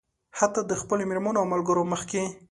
حتيٰ د خپلو مېرمنو او ملګرو مخکې.